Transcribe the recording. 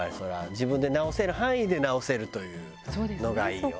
自分で直せる範囲で直せるというのがいいよ。